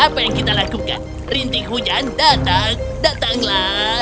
apa yang kita lakukan rintik hujan datang datanglah